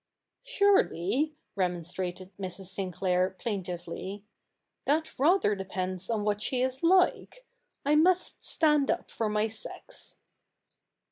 ' Surely,' remonstrated Mrs. Sinclair plaintively, ' that rather depends on what she is like. I must stand up for my sex.'